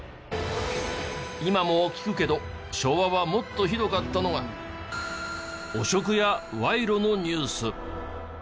今も聞くけど昭和はもっとひどかったのが汚職や賄賂のニュース。